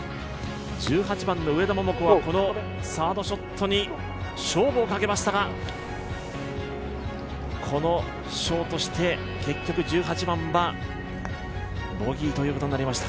１８番の上田桃子は、このサードショットに勝負をかけましたが、このショートして、結局１８番はボギーということになりました。